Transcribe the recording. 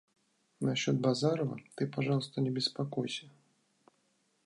Насчет Базарова ты, пожалуйста, не беспокойся.